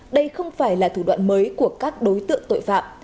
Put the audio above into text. đây không phải là thủ đoạn mới của các đối tượng tội phạm